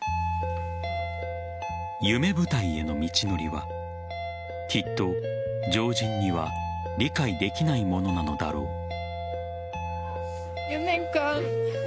夢舞台への道のりはきっと常人には理解できないものなのだろう。